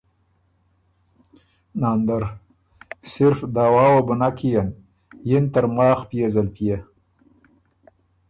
ناندر ـــ صرف دعوٰی وه بو نک کيېن، یِن ترماخ پئے زلپئے۔